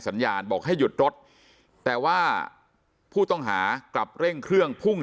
สัญญาณบอกให้หยุดรถแต่ว่าผู้ต้องหากลับเร่งเครื่องพุ่ง